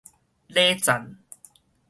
禮讚